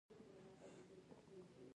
د کانګو د مخنیوي لپاره باید څه شی وڅښم؟